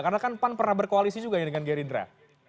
karena kan pan pernah berkoalisi juga ya dengan gerindra